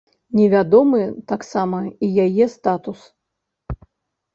Невядомы таксама і яе статус.